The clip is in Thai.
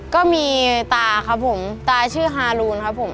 ก็มีตาครับผมตาชื่อฮารูนครับผม